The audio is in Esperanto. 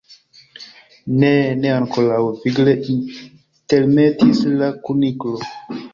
"Ne, ne ankoraŭ," vigle intermetis la Kuniklo.